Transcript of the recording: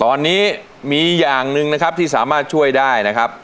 ตอนนี้มีอย่างนึงที่สามารถช่วยได้นะครับ